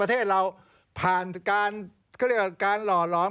ประเทศเราผ่านการหล่อหลอม